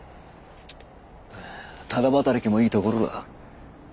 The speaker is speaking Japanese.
ただ働きもいいところだ。